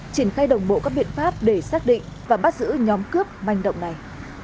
triển khai đồng bộ các biện pháp để xác định và bắt giữ nhóm cướp manh động này